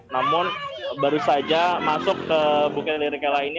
namun baru saja masuk ke bukit lirikela ini